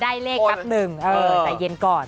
ได้เลขครับบังกว่าเย็นก่อน